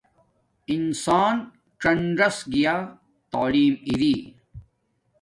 انسان څنڎس گیا تعلیم اری